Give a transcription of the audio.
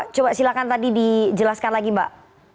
coba silahkan tadi dijelaskan lagi mbak